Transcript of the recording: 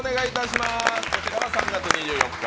こちらは３月２４日